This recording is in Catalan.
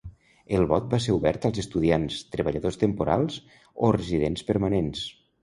El vot va ser obert als estudiants, treballadors temporals o residents permanents.